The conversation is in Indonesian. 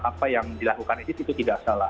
apa yang dilakukan itu tidak salah